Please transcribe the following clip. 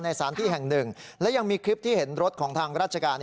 สารที่แห่งหนึ่งและยังมีคลิปที่เห็นรถของทางราชการ